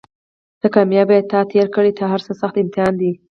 ته کامیاب یې تا تېر کړی تر هرڅه سخت امتحان دی